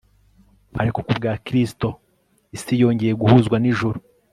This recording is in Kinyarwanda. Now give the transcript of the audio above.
Ariko kubga Kristo isi yongeye guhuzwa nijuru